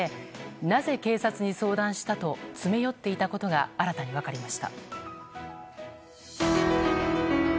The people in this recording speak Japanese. なぜ警察に相談したと詰め寄っていたことが新たに分かりました。